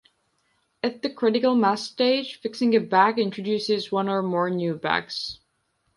At the critical mass stage, fixing a bug introduces one or more new bugs.